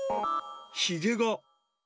ひげが。